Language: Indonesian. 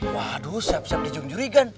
waduh siap siap dijung jurigan